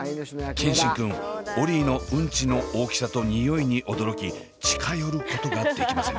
健新くんオリィのうんちの大きさと臭いに驚き近寄ることができません。